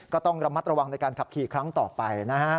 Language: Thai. ก็ต้องระมัดระวังในการขับขี่ครั้งต่อไปนะฮะ